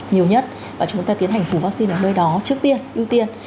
nhiều nhất và chúng ta tiến hành phủ vắc xin ở nơi đó trước tiên ưu tiên